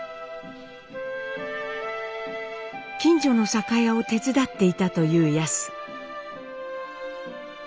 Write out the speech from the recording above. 近所の酒屋を手伝っていたというヤス。